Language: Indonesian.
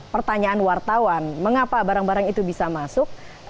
pertanyaan wartawan mengapa barang barang itu bisa masuk